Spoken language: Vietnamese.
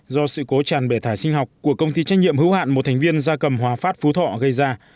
do sự cố tràn bể thải sinh học của công ty trách nhiệm hữu hạn một thành viên gia cầm hòa phát phú thọ gây ra